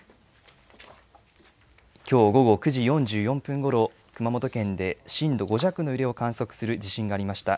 きょう午後９時４４分ごろ、熊本県で震度５弱の揺れを観測する地震がありました。